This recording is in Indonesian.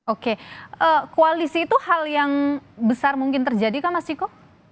oke koalisi itu hal yang besar mungkin terjadi kan mas ciko